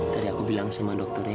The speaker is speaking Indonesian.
tadi aku bilang sama dokternya